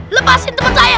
lepasin temen saya